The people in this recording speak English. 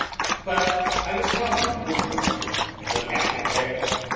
But I was telling of the roof garden and what happened there.